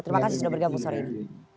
terima kasih sudah bergabung sore ini